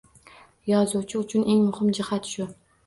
Yozuvchi uchun eng muhim jihat shu